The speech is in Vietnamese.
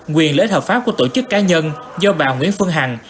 quyền lợi ích hợp pháp của tổ chức cá nhân do bà nguyễn phương hằng